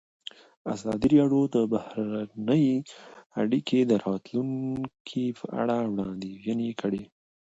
ازادي راډیو د بهرنۍ اړیکې د راتلونکې په اړه وړاندوینې کړې.